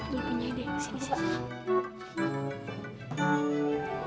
kau tuh punya ide sini sini